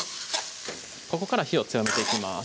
ここから火を強めていきます